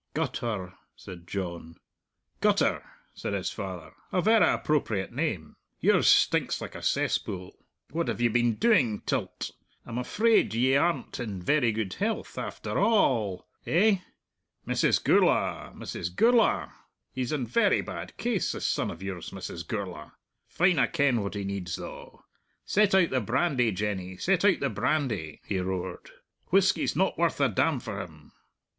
"Guttur," said John. "Gutter," said his father. "A verra appropriate name! Yours stinks like a cesspool! What have you been doing till't? I'm afraid ye aren't in very good health, after a all.... Eh?... Mrs. Gourla', Mrs. Gourla'! He's in very bad case, this son of yours, Mrs. Gourla'! Fine I ken what he needs, though. Set out the brandy, Jenny, set out the brandy," he roared; "whisky's not worth a damn for him!